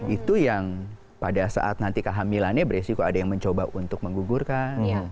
itu yang pada saat nanti kehamilannya beresiko ada yang mencoba untuk menggugurkan